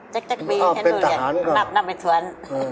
เจ็บเจ็บปีเห็นดูเหรอนับนับไปสวน